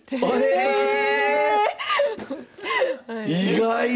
意外！